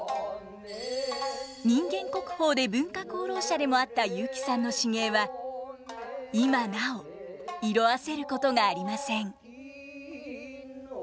人間国宝で文化功労者でもあった雄輝さんの至芸は今なお色あせることがありません。